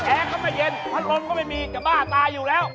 แอร์ก็ไม่เย็นพัดลมก็ไม่มีจะบ้าตายอยู่แล้ว